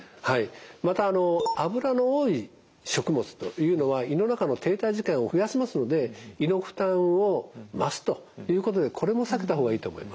また脂の多い食物というのは胃の中の停滞時間を増やしますので胃の負担を増すということでこれも避けた方がいいと思います。